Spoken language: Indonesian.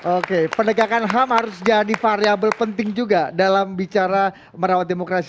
oke penegakan ham harus jadi variable penting juga dalam bicara merawat demokrasi